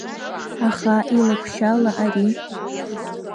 Аха илакәшьала ари…